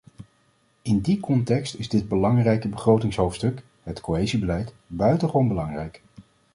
In die context is dit belangrijke begrotingshoofdstuk, het cohesiebeleid, buitengewoon belangrijk.